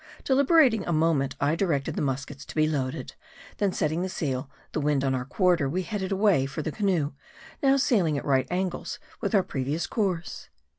Deliberating a moment, I directed the niuskets to be loaded ; then setting the sail the wind on our quarter we headed away for the canoe, now sailing at right angles with our previous course.